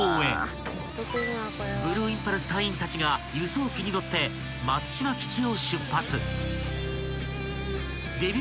［ブルーインパルス隊員たちが輸送機に乗って松島基地を出発］